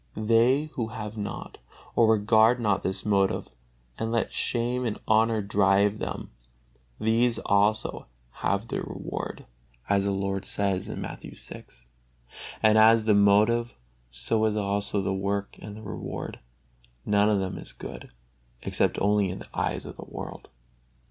They who have not, or regard not this motive, and let shame and honor drive them, these also have their reward, as the Lord says, Matthew vi; and as the motive, so is also the work and the reward: none of them is good, except only in the eyes of the world.